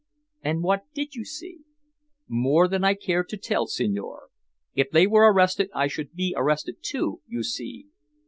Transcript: "And what did you see?" "More than I care to tell, signore. If they were arrested I should be arrested, too, you see."